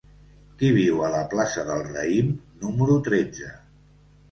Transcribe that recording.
Qui viu a la plaça del Raïm número tretze?